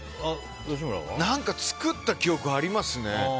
何か作った記憶はありますね。